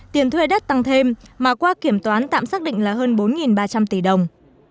tiền thuê đất tăng thêm mà qua kiểm toán tạm xác định là hơn bốn ba trăm linh tỷ đồng